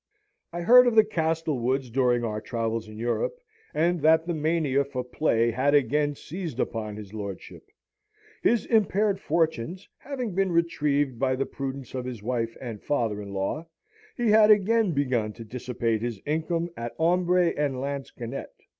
I heard of the Castlewoods during our travels in Europe, and that the mania for play had again seized upon his lordship. His impaired fortunes having been retrieved by the prudence of his wife and father in law, he had again begun to dissipate his income at hombre and lansquenet.